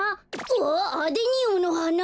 あっアデニウムのはな。